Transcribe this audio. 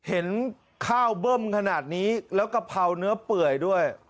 เห็นข้าวเบิ้มขนาดนี้แล้วกะเพราเนื้อเปื่อยด้วย